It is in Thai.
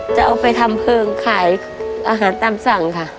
จะเอาไปทำเพลิงขายอาหารตามสั่งค่ะ